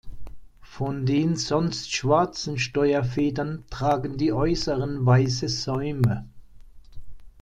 Von den sonst schwarzen Steuerfedern tragen die äußeren weiße Säume.